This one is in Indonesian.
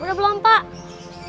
udah belum pak